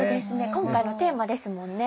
今回のテーマですもんね。